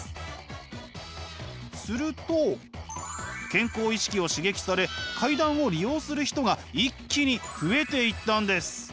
すると健康意識を刺激され階段を利用する人が一気に増えていったんです。